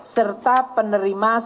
serta penerima subsidi